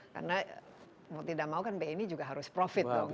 karena mau tidak mau kan bni juga harus profit dong